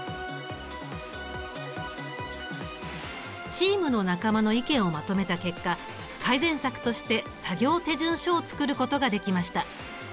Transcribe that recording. チームの仲間の意見をまとめた結果改善策として作業手順書を作ることができました。